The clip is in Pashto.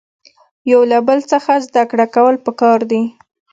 له یو بل څخه زده کړه کول پکار دي.